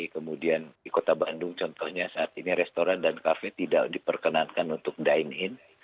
kemudian di kota bandung contohnya saat ini restoran dan kafe tidak diperkenankan untuk dine in